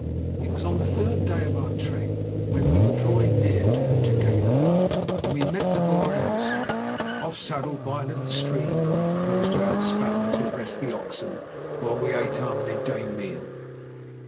It was on the third day of our trek, when we were drawing near to the Tugela, that we met the Boer embassy, off saddled by a little stream where we proposed to outspan to rest the oxen while we ate our midday meal.